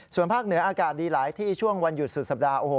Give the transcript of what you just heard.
ส่วนภาคเหนืออากาศดีหลายที่ช่วงวันหยุดสุดสัปดาห์โอ้โห